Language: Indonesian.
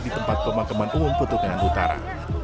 di tempat pemangkaman umum putu tengah utara